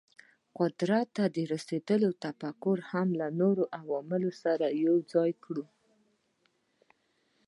قدرت ته د رسېدو تفکر هم له نورو عواملو سره یو ځای کړو.